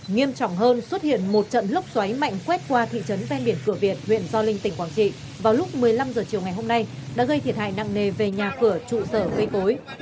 nghiêm trọng hơn xuất hiện một trận lốc xoáy mạnh quét qua thị trấn ven biển cửa việt huyện gio linh tỉnh quảng trị vào lúc một mươi năm h chiều ngày hôm nay đã gây thiệt hại nặng nề về nhà cửa trụ sở cây cối